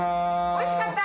おいしかった。